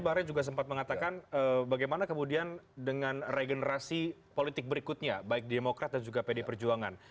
bareng sempat mengatakan bagaimana kemudian dengan regenerasi politik berikutnya vaic democratai his u